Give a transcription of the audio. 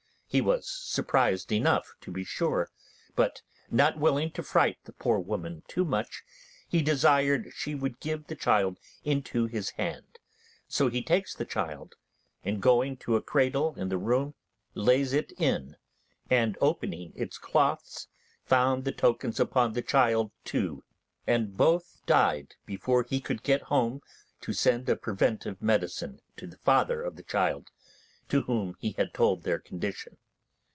He was surprised enough, to be sure, but, not willing to fright the poor woman too much, he desired she would give the child into his hand; so he takes the child, and going to a cradle in the room, lays it in, and opening its cloths, found the tokens upon the child too, and both died before he could get home to send a preventive medicine to the father of the child, to whom he had told their condition.